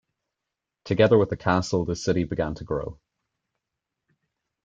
Together with the castle the city began to grow.